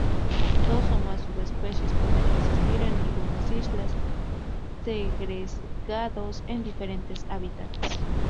Dos o más subespecies pueden existir en algunas islas, segregados en diferentes hábitats.